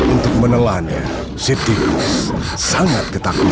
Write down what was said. untuk menelannya siti sangat ketakutan